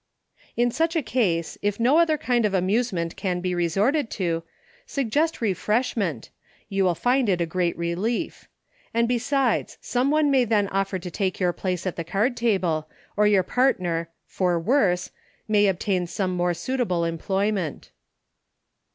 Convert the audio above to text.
In such a case, if no other kind of amuse ment can be resorted to, suggest refreshment, you will find it a great relief; and, besides, some one may then offer to take your place at the card table, or your partner "for worse" may obtain some more suitable employment.